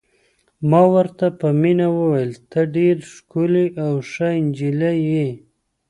ما ورته په مینه وویل: ته ډېره ښکلې او ښه نجلۍ یې.